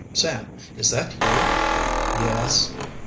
"Sam, is that you?" "Yes."